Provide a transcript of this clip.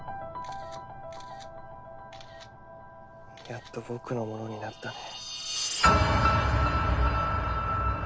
やっと僕のものになったね・・